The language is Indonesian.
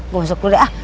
gue masuk dulu ya